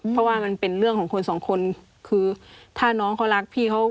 เพราะว่ามันเป็นเรื่องของคนสองคนคือถ้าน้องเขารักพี่เขา